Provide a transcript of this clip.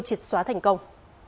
triệt xóa thành công